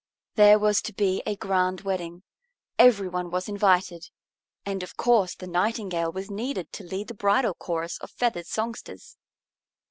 There was to be a grand wedding; every one was invited, and of course the Nightingale was needed to lead the bridal chorus of feathered songsters.